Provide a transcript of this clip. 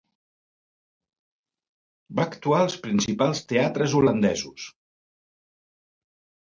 Va actuar als principals teatres holandesos.